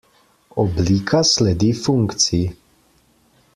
Oblika sledi funkciji.